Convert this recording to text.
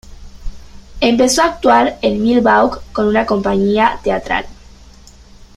Empezó a actuar en Milwaukee con una compañía teatral.